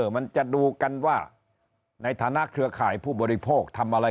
มันจะดูกันว่าในฐานะเครือข่ายผู้บริโภคทำอะไร